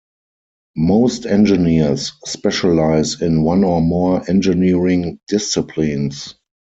Most engineers specialize in one or more engineering disciplines.